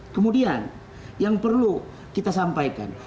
kemudian yang perlu kita sampaikan